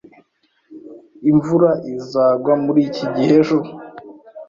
Imvura izagwa muri iki gihe ejo.